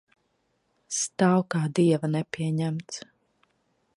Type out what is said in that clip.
Stāv kā dieva nepieņemts.